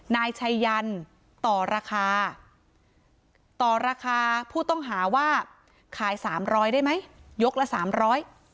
นายชัยยันต่อราคาต่อราคาผู้ต้องหาว่าขายสามร้อยได้ไหมยกละสามร้อย